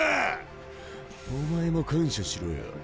お前も感謝しろよ。